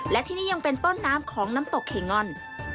และที่นี่ยังเป็นต้นน้ำของน้ำตกเคนอน